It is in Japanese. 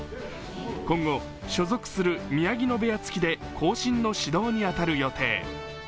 今後、所属する宮城野部屋付きで後進の指導に当たる予定。